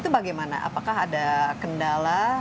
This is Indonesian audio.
itu bagaimana apakah ada kendala